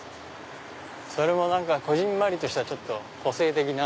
それもこぢんまりとしたちょっと個性的な。